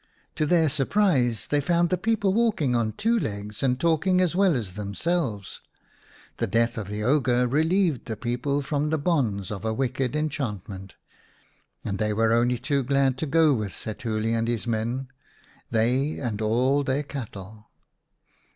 To their surprise they found the people walking on two legs and talking as well as themselves. The death of the ogre relieved the people from the bonds of a wicked enchantment, and they were only too glad to go with Setuli and his men, they and all their cattle.